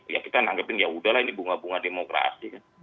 ya kita anggapin ya udahlah ini bunga bunga demokrasi